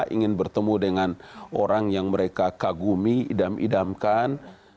ingin bertemu dengan orang yang mereka kagumi idam idamkan